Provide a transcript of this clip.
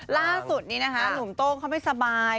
ล่าสุดนี้นะคะหนุ่มโต้งเขาไม่สบาย